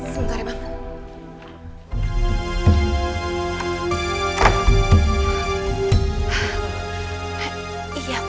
sebentar ya bang